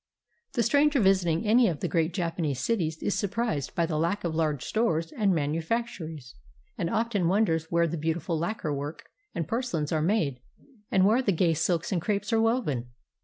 The stranger visiting any of the great Japanese cities is surprised by the lack of large stores and manufactories, and often wonders where the beautiful lacquer work and porcelains are made, and where the gay silks and crepes are woven.